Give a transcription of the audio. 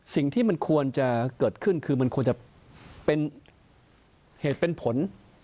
สิ่งที่มันควรจะเกิดขึ้นคือมันควรจะเป็นเหตุเป็นผล